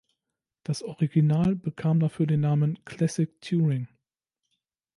Das Original bekam dafür den Namen Classic Turing.